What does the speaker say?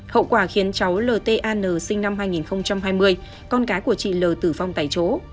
hậu quả khiến cháu ln sinh năm hai nghìn hai mươi con cái của chị l tử vong tại chỗ